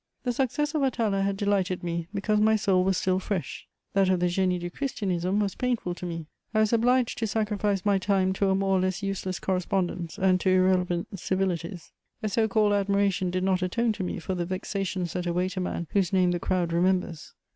The success of Atala had delighted me, because my soul was still fresh; that of the Génie du Christianisme was painful to me: I was obliged to sacrifice my time to a more or less useless correspondence and to irrelevant civilities. A so called admiration did not atone to me for the vexations that await a man whose name the crowd remembers.